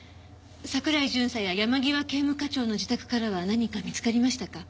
桜井巡査や山際警務課長の自宅からは何か見つかりましたか？